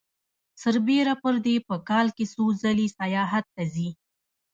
سربېره پر دې په کال کې څو ځلې سیاحت ته ځي